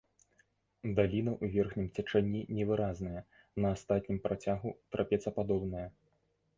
Даліна ў верхнім цячэнні невыразная, на астатнім працягу трапецападобная.